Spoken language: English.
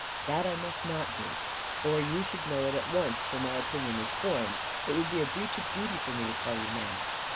"That I must not do, or you should know it at once, for my opinion is formed. It would be a breach of duty for me to tell you now."